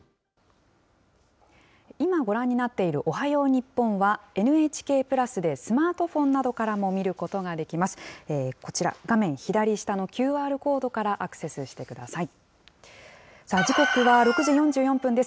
今ご覧になっているおはよう日本は、ＮＨＫプラスでスマートフォンなどからも見ることができます。